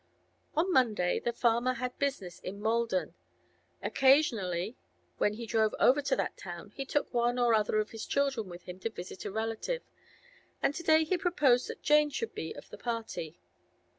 On Monday the farmer had business in Maldon. Occasionally when he drove over to that town he took one or other of his children with him to visit a relative, and to day he proposed that Jane should be of the party.